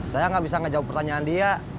saya nggak bisa ngejawab pertanyaan dia